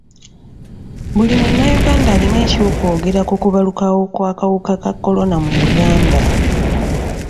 Buli munnayuganda alina ekyokwogera ku kubalukawo kw'akawuka ka kolona mu Uganda.